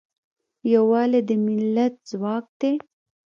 یوالی د ملت ځواک دی.